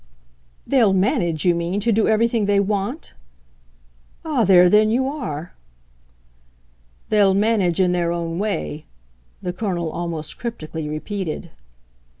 "They'll manage, you mean, to do everything they want? Ah, there then you are!" "They'll manage in their own way," the Colonel almost cryptically repeated.